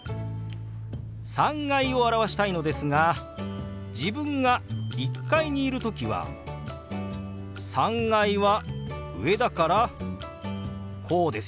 「３階」を表したいのですが自分が１階にいる時は３階は上だからこうですよね。